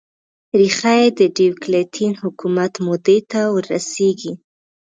ریښه یې د ډیوکلتین حکومت مودې ته ور رسېږي